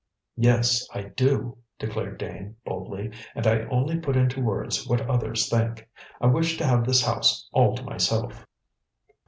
"Yes, I do," declared Dane boldly; "and I only put into words what other people think. I wish to have this house all to myself."